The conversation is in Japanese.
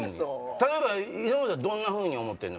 例えば井本はどんなふうに思ってんの？